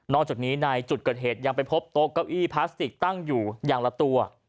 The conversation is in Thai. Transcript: จากนี้ในจุดเกิดเหตุยังไปพบโต๊ะเก้าอี้พลาสติกตั้งอยู่อย่างละตัว